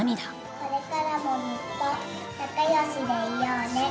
「これからもずっと仲良しでいようね。